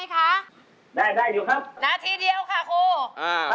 นาทีเดียวค่ะครู